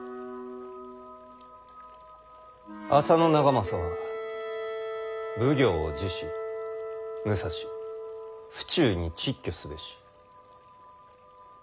浅野長政は奉行を辞し武蔵府中に蟄居すべし。